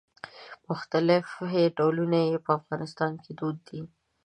مختلف ډولونه یې په افغانستان کې دود دي.